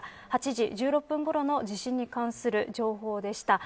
８時１６分ごろの地震に関する情報でした。